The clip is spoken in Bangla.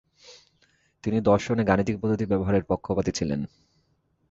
তিনি দর্শনে গাণিতিক পদ্ধতি ব্যবহারের পক্ষপাতি ছিলেন।